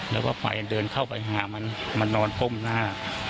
แล้วก็ไฟเดินเข้าไปหามันมันนอนก้มหน้า